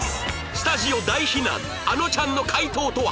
スタジオ大非難あのちゃんの回答とは？